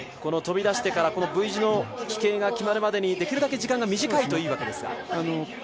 飛び出してからＶ字の飛型が決まるまでできるだけ時間が短いといいわけですか？